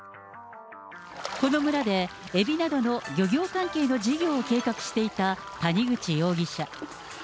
この村で、エビなどの漁業関係の事業を計画していた谷口容疑者。